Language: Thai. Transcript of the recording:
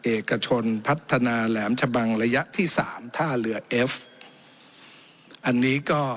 เอกชนพัฒนาแหลมชะบังระยะที่สามท่าเรือเอฟอันนี้ก็